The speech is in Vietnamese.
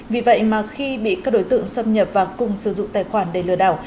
vì vậy mà khi bị các đối tượng xâm nhập và cùng sử dụng tài khoản để lừa đảo